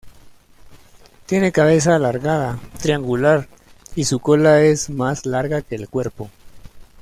Tiene cabeza alargada, triangular, y su cola es más larga que el cuerpo.